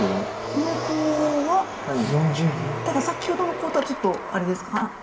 このコウはただ先ほどのコウとはちょっとあれですか？